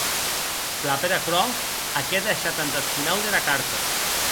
Plan per aquerò ac è deishat entath finau dera carta.